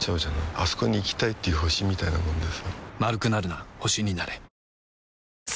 あそこに行きたいっていう星みたいなもんでさ